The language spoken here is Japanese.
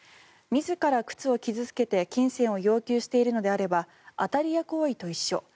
自ら靴を傷付けて金銭を要求しているのであれば当たり屋行為と一緒。